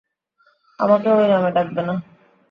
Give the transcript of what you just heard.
আমাকে ওই নামে ডাকবে না।